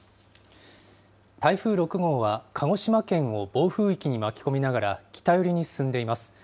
台風６号は、鹿児島県を暴風域に巻き込みながら、北寄りに進んでいます。